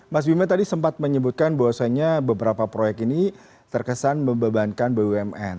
mas bima tadi sempat menyebutkan bahwasannya beberapa proyek ini terkesan membebankan bumn